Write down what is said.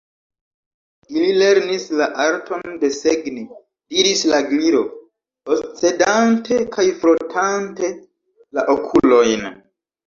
"Ili lernis la arton desegni," diris la Gliro, oscedante kaj frotante la okulojn.